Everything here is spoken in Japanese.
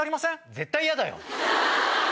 絶対嫌だよ！